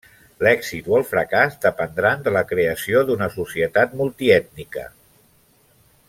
L'èxit o el fracàs dependran de la creació d'una societat multiètnica.